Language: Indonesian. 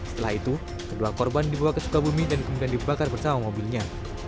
setelah itu kedua korban dibawa ke sukabumi dan kemudian dibakar bersama mobilnya